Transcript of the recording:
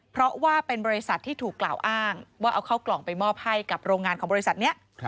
เพราะว่าเป็นบริษัทที่ถูกกล่าวอ้างว่าเอาเข้ากล่องไปมอบให้กับโรงงานของบริษัทนี้